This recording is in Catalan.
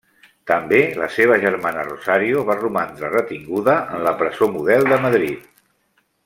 També la seva germana Rosario va romandre retinguda en la presó Model de Madrid.